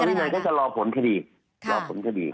วินัยก็จะรอผลคดีรอผลคดีครับ